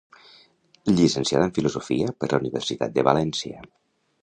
Llicenciada en Filosofia per la Universitat de València.